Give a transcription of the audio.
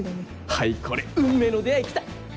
はいこれ運命の出会い来た！